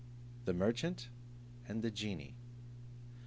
THE MERCHANT AND THE GENIE.